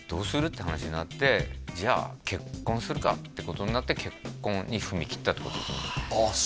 って話になって「じゃあ結婚するか」ってことになって結婚に踏みきったってことですよね